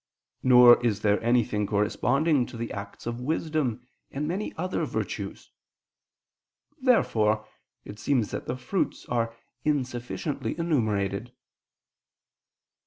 Nor is there anything corresponding to the acts of wisdom, and of many other virtues. Therefore it seems that the fruits are insufficiently enumerated.